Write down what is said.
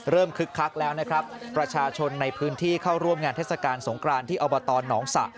คึกคักแล้วนะครับประชาชนในพื้นที่เข้าร่วมงานเทศกาลสงครานที่อบตหนองสะ